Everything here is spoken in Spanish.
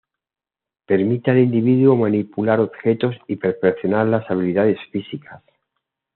Permite al individuo manipular objetos y perfeccionar las habilidades físicas.